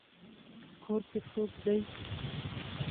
کور کې څوک دی؟